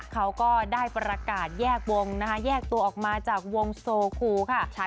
เขาก็ได้ประกาศแยกวงนะคะแยกตัวออกมาจากวงโซคูค่ะ